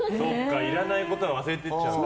いらないことは忘れていっちゃうんだ。